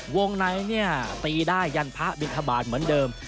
ในเนี่ยตีได้ยันพระบินทบาทเหมือนเดิม